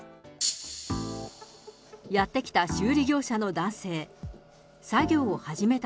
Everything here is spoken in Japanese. やって来た修理業者の男性。